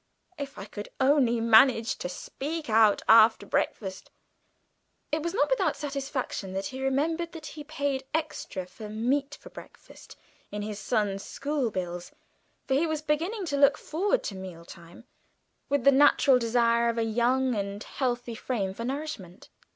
If I could only manage to speak out after breakfast!" It was not without satisfaction that he remembered that he paid extra for "meat for breakfast" in his son's school bills, for he was beginning to look forward to meal time with the natural desire of a young and healthy frame for nourishment.